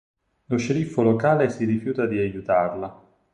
Lo sceriffo locale si rifiuta di aiutarla.